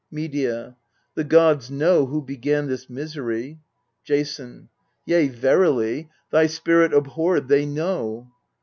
Medea. The gods know who began this misery. Jasoji. Yea, verily, thy spirit abhorred they know.